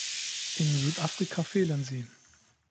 In Südafrika fehlen sie.